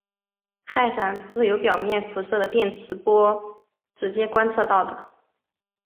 氦闪不是由表面辐射的电磁波直接观测到的。